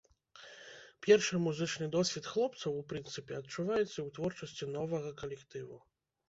Першы музычны досвед хлопцаў, у прынцыпе, адчуваецца і ў творчасці новага калектыву.